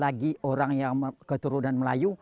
lagi orang yang keturunan melayu